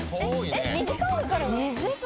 えっ２時間かかるの？